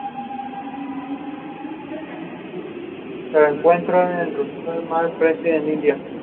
Esto lo ayudó para empezar a ser tomado en cuenta con la Selección Absoluta.